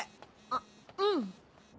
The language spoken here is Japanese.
あっうん。